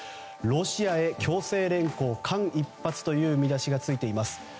ロシアへ強制連行、間一髪という見出しがついています。